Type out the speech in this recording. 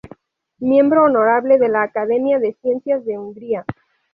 Miembro honorable de la Academia de Ciencias de Hungría.